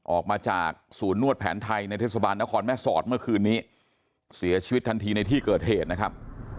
ออกมาจากศูนย์นวดแผนไทยในเทศบาลนครแม่สอดเมื่อคืนนี้เสียชีวิตทันทีในที่เกิดเหตุนะครับ